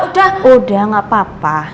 udah udah gak papa